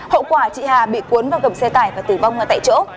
hậu quả chị hà bị cuốn vào gầm xe tải và tử vong tại chỗ